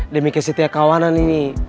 demi kesetiakawanan ini